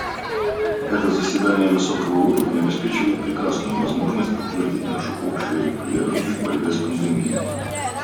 Это заседание высокого уровня обеспечивает прекрасную возможность подтвердить нашу общую приверженность борьбе с пандемией.